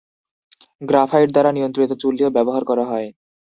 Graphite দ্বারা নিয়ন্ত্রিত চুল্লিও ব্যবহার করা হয়।